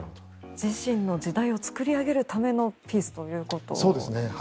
自身の時代を作り上げるためのピースということですね。